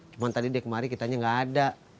cuma tadi dia kemari kita aja gak ada